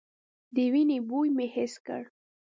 د وينو بوی مې حس کړ.